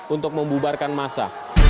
untuk membubarkan massa